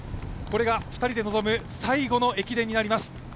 これが２人で臨む最後の駅伝になります。